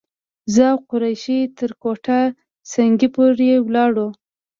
زه او قریشي تر کوټه سنګي پورې ولاړو.